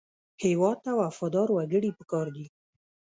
هېواد ته وفادار وګړي پکار دي